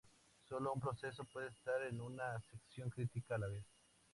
Sólo un proceso puede estar en una sección crítica a la vez.